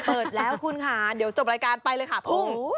เปิดแล้วคุณค่ะเดี๋ยวจบรายการไปเลยค่ะพุ่ง